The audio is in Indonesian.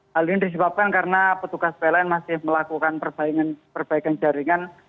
hal ini disebabkan karena petugas pln masih melakukan perbaikan jaringan